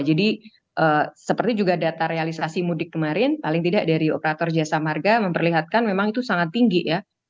jadi seperti juga data realisasi mudik kemarin paling tidak dari operator jasa marga memperlihatkan memang itu sangat tinggi ya